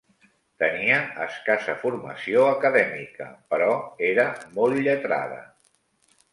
Tenia escassa formació acadèmica, però era molt lletrada.